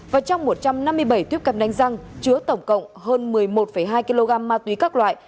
và trong một trăm năm mươi bảy tuyết cầm đánh răng chứa tổng cộng hơn một mươi một hai kg ma túy các loại